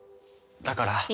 だから。